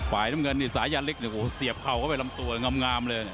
ฝ่ายน้ำเงินสายยานเล็กเสียบเข่ากลับไปลำตัวงามเลย